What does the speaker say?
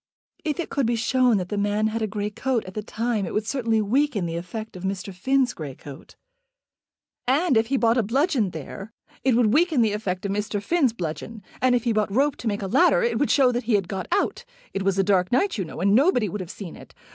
"If it could be shown that the man had a grey coat at that time it would certainly weaken the effect of Mr. Finn's grey coat." "And if he bought a bludgeon there, it would weaken the effect of Mr. Finn's bludgeon. And if he bought rope to make a ladder it would show that he had got out. It was a dark night, you know, and nobody would have seen it.